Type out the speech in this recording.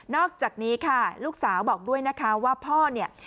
อกจากนี้ค่ะลูกสาวบอกด้วยนะคะว่าพ่อเนี่ย